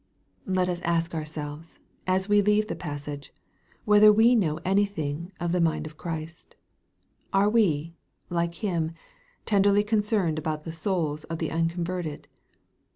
Let us ask ourselves, as we leave the passage, whether we know anything of the mind of Christ ? Are we, like Him, tenderly concerned about the souls of the uncon verted